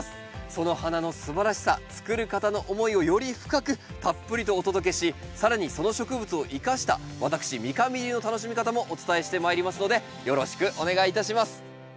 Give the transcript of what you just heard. その花のすばらしさつくる方の思いをより深くたっぷりとお届けし更にその植物を生かした私三上流の楽しみ方もお伝えしてまいりますのでよろしくお願いいたします。